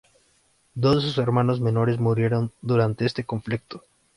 Dos de sus hermanos menores murieron durante este conflicto.